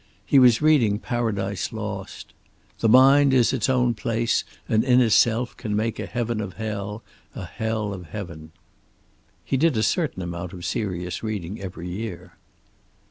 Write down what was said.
He was reading Paradise Lost: "The mind is its own place, and in itself can make a Heaven of Hell, a Hell of Heaven." He did a certain amount of serious reading every year.